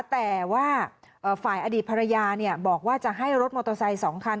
แต่ว่าฝ่ายอดีตภรรยาบอกว่าจะให้รถมอเตอร์ไซค์๒คัน